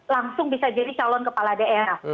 langsung bisa jadi calon kepala daerah